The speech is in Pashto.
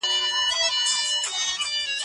ډیري به واورو له منبره ستا د حورو کیسې